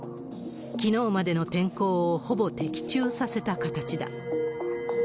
きのうまでの天候をほぼ的中させた形だ。